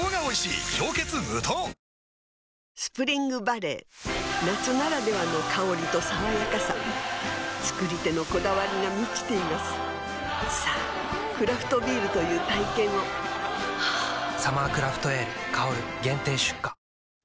あスプリングバレー夏ならではの香りと爽やかさ造り手のこだわりが満ちていますさぁクラフトビールという体験を「サマークラフトエール香」限定出荷